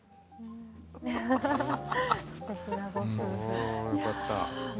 すてきなご夫婦。